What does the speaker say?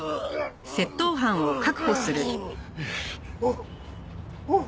おっおっ！